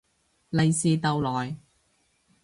利是逗來